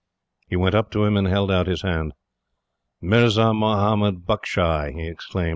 He went up to him, and held out his hand. "Mirzah Mahomed Buckshy!" he exclaimed.